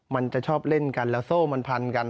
มันจะชอบเล่นกันแล้วโซ่มันพันกัน